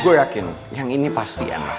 gue yakin yang ini pasti